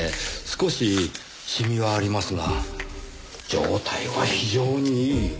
少しシミはありますが状態は非常にいい。